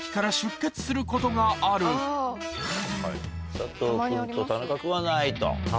佐藤君と田中君はないと。